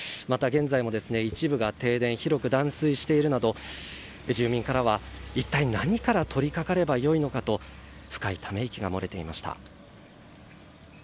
また現在も一部が停電広く断水しているなど住民からは一体何から取りかかれば良いのかと深いため息が漏れていました。